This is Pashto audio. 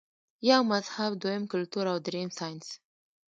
يو مذهب ، دويم کلتور او دريم سائنس -